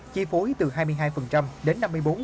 chi phối từ hai mươi hai đến năm mươi bốn